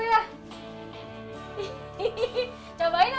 punya kasur baru ya